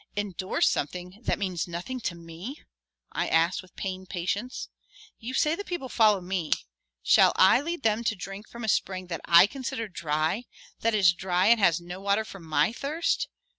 "Endorse something that means nothing to me?" I asked with pained patience. "You say the people follow me; shall I lead them to drink from a spring that I consider dry, that is dry and has no water for my thirst?